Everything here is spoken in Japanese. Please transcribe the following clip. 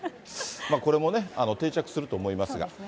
これもね、定着すると思いますが。